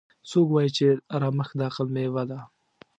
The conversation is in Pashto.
څوک وایي چې ارامښت د عقل میوه ده